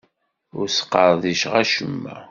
Ur sqerdiceɣ acemma.